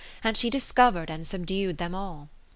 And she discovered and subdu'd them all.